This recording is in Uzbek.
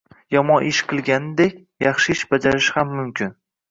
Yomon ish qilganidek, yaxshi ish bajarishi ham mumkin.